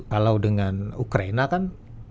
kalau dengan ukraina kan